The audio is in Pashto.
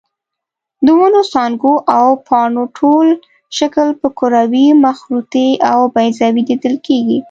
د ونو څانګو او پاڼو ټول شکل په کروي، مخروطي او بیضوي لیدل کېږي.